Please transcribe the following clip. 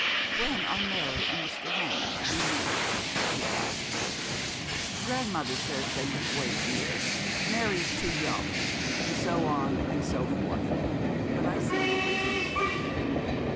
'When are Mary and Mr. Hammond to be married?' she asked, 'Grandmother says they must wait a year. Mary is much too young and so on, and so forth. But I see no reason for waiting.'